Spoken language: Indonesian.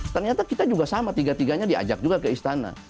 ternyata kita juga sama tiga tiganya diajak juga ke istana